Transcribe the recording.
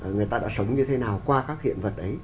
người ta đã sống như thế nào qua các hiện vật ấy